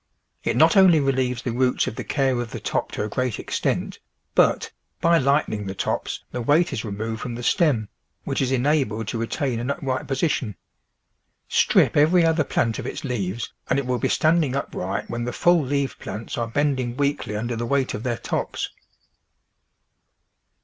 It not only relieves the roots of the care of the top to a great extent, but, by lightening the tops, the weight is removed from the stem, which is enabled to retain an up right position. Strip every other plant of its leaves and it will be standing upright when the full leaved plants are bending weakly under the weight of their tops.